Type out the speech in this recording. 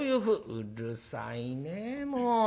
「うるさいねもう。